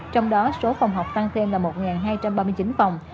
trong đó số phòng học tăng thêm là một hai trăm ba mươi chín phòng